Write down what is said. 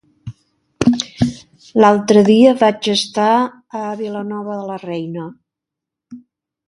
L'altre dia vaig estar a Vilanova de la Reina.